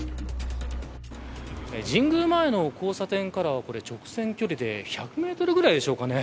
神宮前の交差点からは直線距離で１００メートルぐらいでしょうかね。